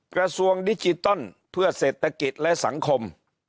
กระทรวงดิจิตอลเพื่อเศรษฐกิจและสังคม